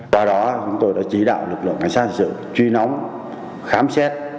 sau đó chúng tôi đã chỉ đạo lực lượng cảnh sát sự truy nóng khám xét